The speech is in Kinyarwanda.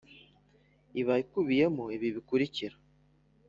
Iba ikubiyemo ibi bikurikira